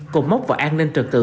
cùng móc vào an ninh trực tự